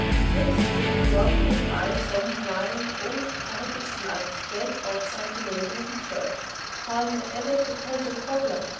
Next day Georgy and I saw him lying all covered with mud, dead, outside the neighbouring church. How am I ever to tell the cobbler?